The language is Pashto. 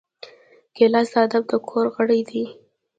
ګیلاس د ادب د کور غړی دی.